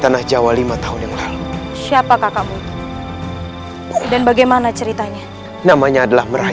tanah jawa lima tahun yang lalu siapa kakak muda dan bagaimana ceritanya namanya adalah merah